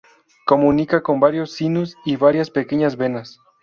Comunica con varios sinus y varias pequeñas venas.